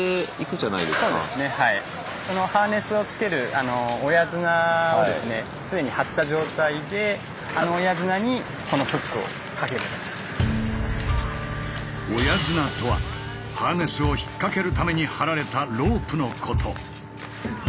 そのハーネスをつける親綱とはハーネスを引っ掛けるために張られたロープのこと。